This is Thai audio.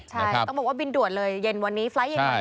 ต้องบอกว่าบินด่วนเลยเย็นวันนี้ไฟล์ตอย่างนี้